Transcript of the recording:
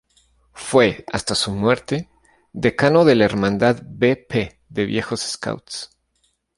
Fue, hasta su muerte, decano de La hermandad B-P de viejos Scouts.